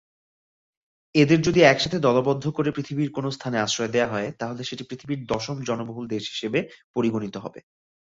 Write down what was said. এদের যদি এক সাথে দলবদ্ধ করে পৃথিবীর কোন স্থানে আশ্রয় দেওয়া হয়, তাহলে সেটি পৃথিবীর দশম জনবহুল দেশ হিসাবে পরিগণিত হবে।